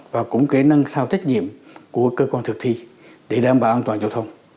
và cũng kế nâng thao trách nhiệm của cơ quan thực thi để đảm bảo an toàn giao thông